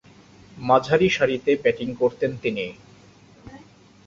মাঝারিসারিতে batting করতেন তিনি।